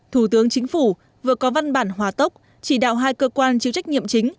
thủ tướng chính phủ vừa có văn bản hòa tốc chỉ đạo hai cơ quan chịu trách nhiệm chính